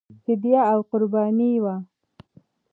فدیه او قرباني وه.